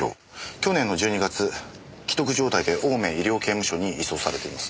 去年の１２月危篤状態で青梅医療刑務所に移送されています。